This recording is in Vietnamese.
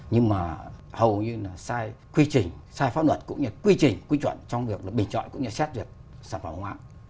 nhưng mà hầu như là sai quy trình sai pháp luật cũng như là quy trình quy chuẩn trong việc là bình chọn cũng như là xét việc sản phẩm không ạ